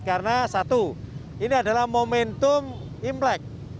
karena satu ini adalah momentum imlek